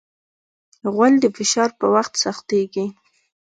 غول د فشار په وخت سختېږي.